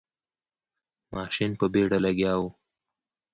ماشین په بیړه لګیا و.